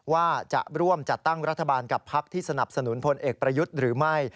ว่าจะร่วมจัดตั้งรัฐบาลกับพักที่สนับสนุนพลเอกประยุทธ์หรือไม่